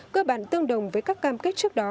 cơ bản tương đồng với các cam kết trước đó